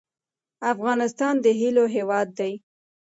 افغانستان د هیلو هیواد دی